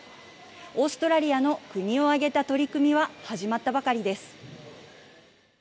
オーストラリアの国を挙げた取り組みは始まったばかりです。